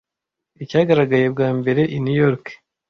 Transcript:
Icyagaragaye bwa mbere I New York